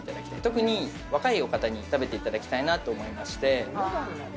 特に若い方に食べていただきたいなと思いまして。